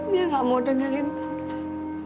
dia gak mau dengerin pagi